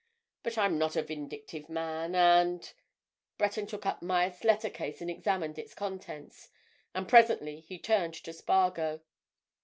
But I'm not a vindictive man, and——" Breton took up Myerst's letter case and examined its contents. And presently he turned to Spargo.